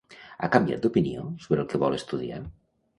Ha canviat d'opinió sobre el que vol estudiar?